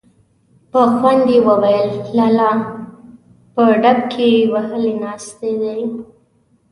په خوند يې وويل: لالا! په ډب کې هيلۍ ناستې دي.